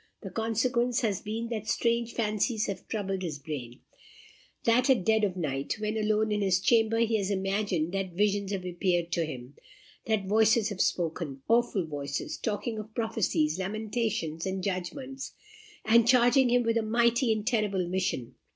The consequence has been that strange fancies have troubled his brain; that at dead of night, when alone in his chamber, he has imagined that visions have appeared to him; that voices have spoken awful voices talking of prophecies, lamentations, and judgments, and charging him with a mighty and terrible mission.